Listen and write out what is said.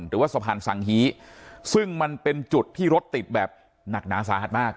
หรือว่าสะพานสังฮีซึ่งมันเป็นจุดที่รถติดแบบหนักหนาสาหัสมาก